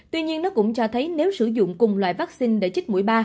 tuy nhiên nó cũng cho thấy nếu sử dụng cùng loại vaccine để chích mũi ba